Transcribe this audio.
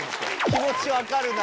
気持ち分かるなぁ！